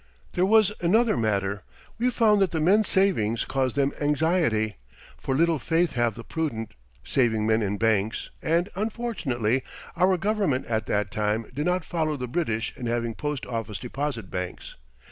There was another matter. We found that the men's savings caused them anxiety, for little faith have the prudent, saving men in banks and, unfortunately, our Government at that time did not follow the British in having post office deposit banks.